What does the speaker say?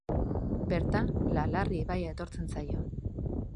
Bertan La Larri ibaia etortzen zaio.